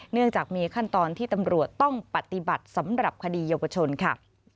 เนื่องจากมีขั้นตอนที่ตำรวจต้องปฏิบัติสำหรับคดีเยาวชนค่ะ